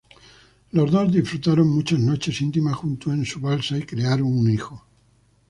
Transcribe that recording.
Los dos disfrutaron muchas noches íntimas juntos en su balsa y crearon un hijo.